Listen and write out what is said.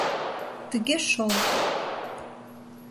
Тыге шол!